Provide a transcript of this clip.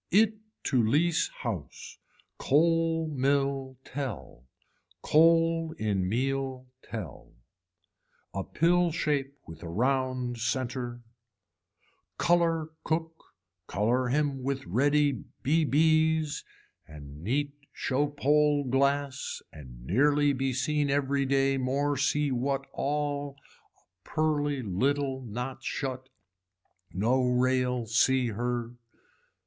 It to lease house. Coal mill tell. Coal in meal tell. A pill shape with a round center. Color Cook color him with ready bbs and neat show pole glass and nearly be seen every day more see what all a pearly little not shut, no rail see her.